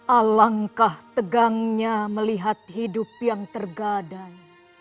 alangkah tegangnya melihat hidup yang tergadai